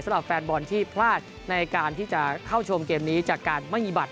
สำหรับแฟนบอลที่พลาดในการที่จะเข้าชมเกมนี้จากการไม่มีบัตร